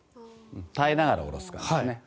耐えながら下ろす感じですね。